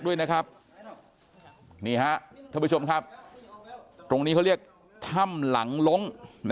ด้วยนะครับนี่ฮะท่านผู้ชมครับตรงนี้เขาเรียกถ้ำหลังล้ง